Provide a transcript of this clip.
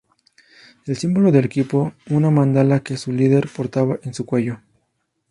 El símbolo del equipo, una Mandala que su líder portaba en su cuello.